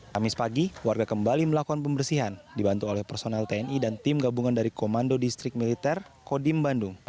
kamis pagi warga kembali melakukan pembersihan dibantu oleh personel tni dan tim gabungan dari komando distrik militer kodim bandung